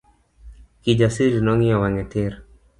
Kijasiri nong'iyo wange tir.